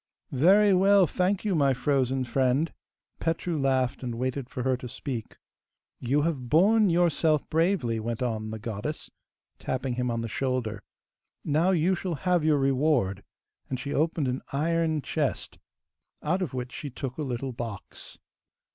'Very well, thank you, my frozen friend!' Petru laughed, and waited for her to speak. 'You have borne yourself bravely,' went on the goddess, tapping him on the shoulder. 'Now you shall have your reward,' and she opened an iron chest, out of which she took a little box.